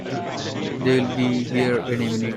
They'll be here any minute!